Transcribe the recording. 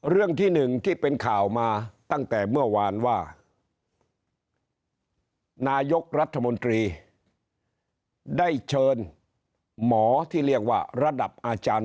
เรื่องที่หนึ่งที่เป็นข่าวมาตั้งแต่เมื่อวานว่านายกรัฐมนตรีได้เชิญหมอที่เรียกว่าระดับอาจารย์